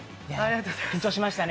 緊張しましたね。